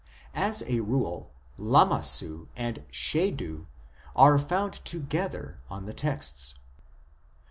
As a rule Lamassu and Shedu are found together on the texts.